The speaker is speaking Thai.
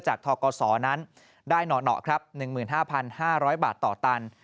ทกศนั้นได้เหนาะครับ๑๕๕๐๐บาทต่อตัน